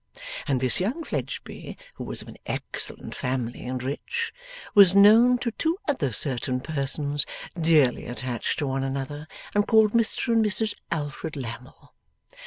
And this young Fledgeby, who was of an excellent family and rich, was known to two other certain persons, dearly attached to one another and called Mr and Mrs Alfred Lammle.